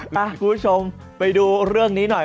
คุณผู้ชมไปดูเรื่องนี้หน่อย